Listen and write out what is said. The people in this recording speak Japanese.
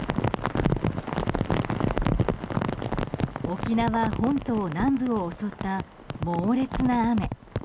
沖縄本島南部を襲った猛烈な雨。